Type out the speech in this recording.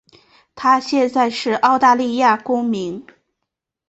她现在是澳大利亚公民。